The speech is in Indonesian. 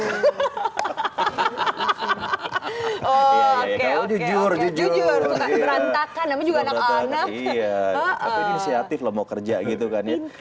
hahaha oh oke oke jujur jujur berantakan namanya juga anak anak ya